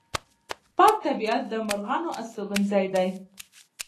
پاک طبیعت د مرغانو استوګنځی دی.